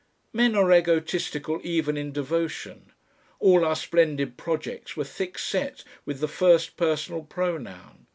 Men are egotistical even in devotion. All our splendid projects were thickset with the first personal pronoun.